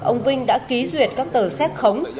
ông vinh đã ký duyệt các tờ xét khống